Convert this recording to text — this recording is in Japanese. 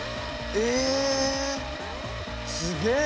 え⁉すげえ！